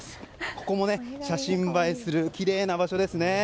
ここも写真映えするきれいな場所ですね。